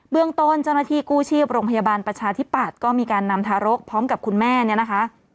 เรื่องต้นเจ้าหน้าที่กู้ชีพโรงพยาบาลประชาธิปัตย์ก็มีการนำทารกพร้อมกับคุณแม่เนี่ยนะคะ